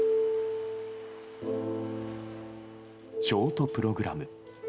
ショートプログラム。